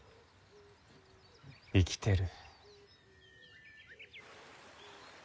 生きてる。